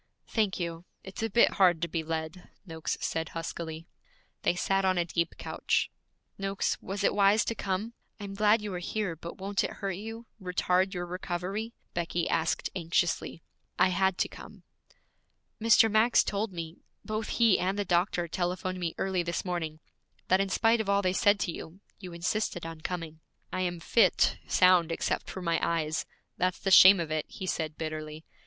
'Thank you. It's a bit hard to be led,' Noakes said huskily. They sat on a deep couch. 'Noakes, was it wise to come? I am glad you are here, but won't it hurt you, retard your recovery?' Becky asked anxiously. 'I had to come.' 'Mr. Max told me both he and the doctor telephoned me early this morning that in spite of all they said to you, you insisted on coming.' 'I am fit, sound except for my eyes; that's the shame of it,' he said bitterly.